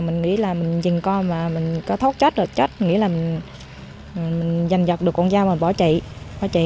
chỉ là dành giọt được con dao và bỏ chị